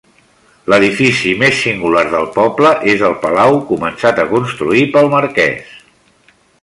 L'edifici més singular del poble és el palau, començat a construir pel marqués.